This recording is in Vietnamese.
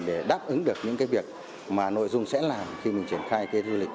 để đáp ứng được những việc mà nội dung sẽ làm khi mình triển khai kế du lịch